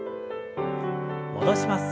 戻します。